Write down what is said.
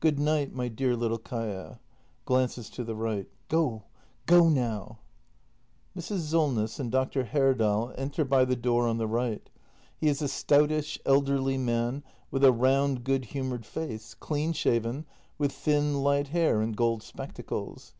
Good night, my dear little Kaia. [Glances to the right.] Go, go now! Mrs. Solness and Dr. Herdal enter by tJie door on the right. He is a stoutish, elderly man, with a round, good humoured face, clean shaven, with thin, light hair, and gold spectacles.